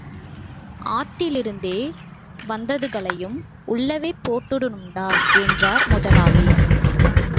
ஆத்திலேருந்து வந்ததுகளையும் உள்ளவே போட்டுடனும்டா! என்றார் முதலாளி.